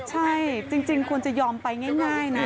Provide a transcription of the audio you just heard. ใช่จริงควรจะยอมไปง่ายนะ